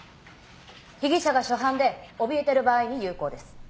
被疑者が初犯でおびえてる場合に有効です。